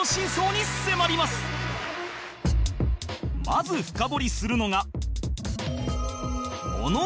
まず深掘りするのが